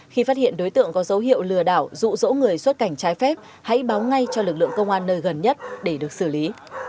khi phát hiện đối tượng có dấu hiệu lừa đảo rụ rỗ người xuất cảnh trái phép hãy báo ngay cho lực lượng công an nơi gần nhất để được xử lý